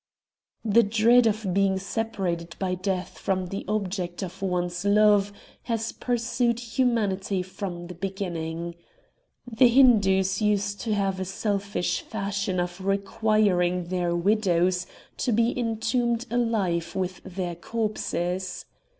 The dread of being separated by death from the objects of one's love has pursued humanity from the beginning. The Hindoos used to have a selfish fashion of requiring their widows to be entombed alive with their corpses.